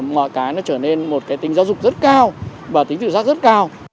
mọi cái nó trở nên một cái tính giáo dục rất cao và tính tự giác rất cao